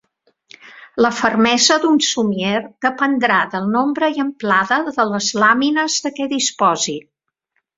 La fermesa d'un somier dependrà del nombre i amplada de les làmines de què disposi.